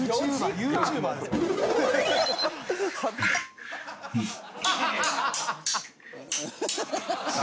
・ＹｏｕＴｕｂｅｒです・